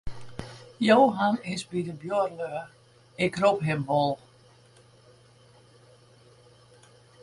Johan is by de buorlju, ik rop him wol.